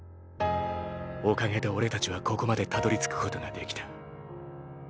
おかげで俺たちはここまでたどりつくことができた。